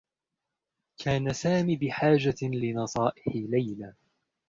كان سامي بحاجة لنصائح ليلى.